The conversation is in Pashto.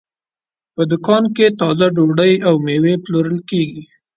په دوکان کې تازه ډوډۍ او مېوې پلورل کېږي.